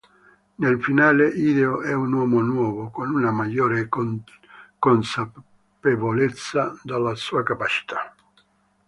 Nel finale, Hideo è un uomo nuovo, con una maggiore consapevolezza delle sue capacità.